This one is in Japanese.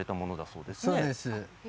そうです。